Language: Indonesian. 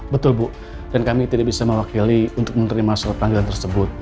betul bu dan kami tidak bisa mewakili untuk menerima surat panggilan tersebut